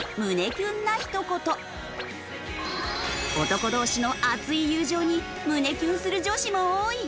男同士の熱い友情に胸キュンする女子も多い！